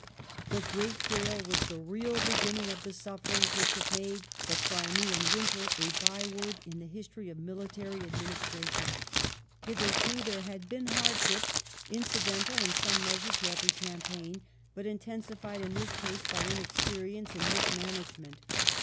The great gale was the real beginning of the sufferings which The win have made the "Crimean Winter" a byword in the history of ^^g^^^^^^g^^ military administration. Hitherto there had been hardships, incidental in some measure to every campaign, but intensified in this case by inexperience and mismanagement.